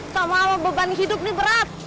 sama beban hidup ini berat